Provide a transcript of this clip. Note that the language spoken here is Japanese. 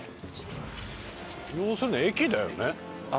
要するに駅だよね？